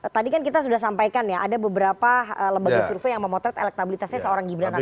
tadi kan kita sudah sampaikan ya ada beberapa lembaga survei yang memotret elektabilitasnya seorang gibran raka